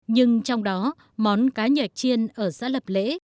nhưng trong đó món cá nhạc chiên ở xã lập lễ